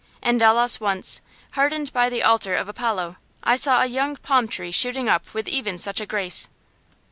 In Delos once, hard by the altar of Apollo, I saw a young palm tree shooting up with even such a grace.